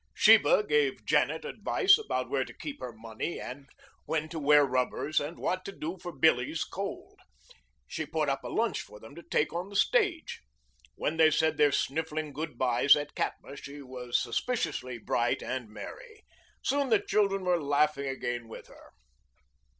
Sheba gave Janet advice about where to keep her money and when to wear rubbers and what to do for Billie's cold. She put up a lunch for them to take on the stage. When they said their sniffling good byes at Katma she was suspiciously bright and merry. Soon the children were laughing again with her.